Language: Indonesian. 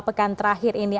pekan terakhir ini